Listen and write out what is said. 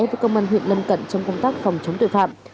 với cơ quan huyện lân cận trong công tác phòng chống tội phạm